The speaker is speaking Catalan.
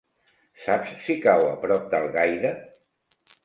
Saps si cau a prop d'Algaida?